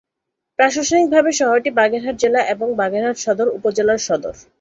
প্রশাসনিকভাবে শহরটি বাগেরহাট জেলা এবং বাগেরহাট সদর উপজেলার সদর।